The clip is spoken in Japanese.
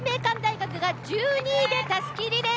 １２位でたすきリレー。